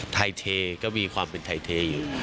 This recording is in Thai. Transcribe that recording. ไทยเทก็มีความเป็นไทยเทอยู่